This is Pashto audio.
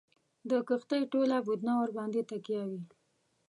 د کښتۍ ټوله بدنه ورباندي تکیه وي.